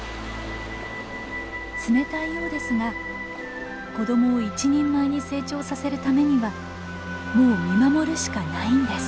冷たいようですが子どもを一人前に成長させるためにはもう見守るしかないんです。